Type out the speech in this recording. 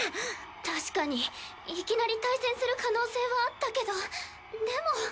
確かにいきなり対戦する可能性はあったけどでも。